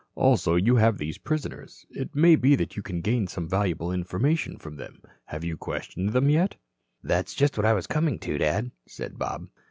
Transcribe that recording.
Also you have these prisoners. It may be that you can gain some valuable information from them. Have you questioned them yet?" "That's just what I was coming to, Dad," said Bob.